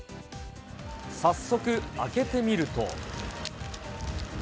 早速開けてみると。